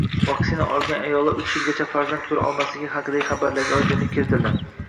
Vaksina olgan ayollar uch yilgacha farzand ko‘ra olmasligi haqidagi xabarlarga oydinlik kiritildi